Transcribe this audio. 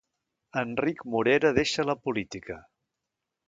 Enric Morera deixa la política